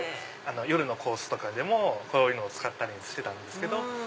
夜のコースとかでもこういうのを使ってたんです。